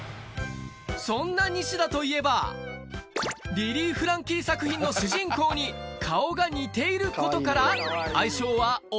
そんな西田といえばリリー・フランキー作品の主人公に顔が似ていることから。